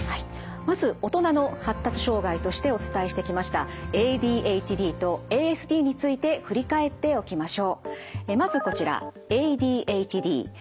まず「大人の発達障害」としてお伝えしてきましたＡＤＨＤとＡＳＤについて振り返っておきましょう。